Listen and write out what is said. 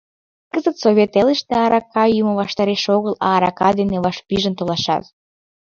Кызыт Совет элыште арака йӱмӧ ваштареш огыл, а арака дене ваш пижын толашат.